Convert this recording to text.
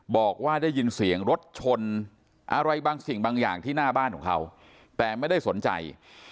บอกว่าได้ยินเสียงรถชนอะไรบางสิ่งบางอย่างที่หน้าบ้านของเขาแต่ไม่ได้สนใจ